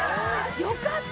よかった。